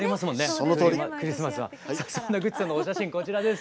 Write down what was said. そんなグッチさんのお写真こちらです。